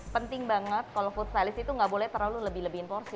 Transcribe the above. penting banget kalau food stylist itu nggak boleh terlalu lebih lebih in porsi